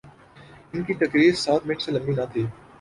ان کی تقریر سات منٹ سے لمبی نہ تھی۔